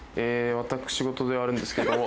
私事ではあるんですけども。